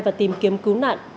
và tìm kiếm cứu nạn